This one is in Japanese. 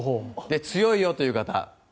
強いよという方。